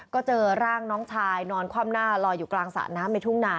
ก็เจอร่างน้องชายนอนคว่ำหน้าลอยอยู่กลางสระน้ำในทุ่งนา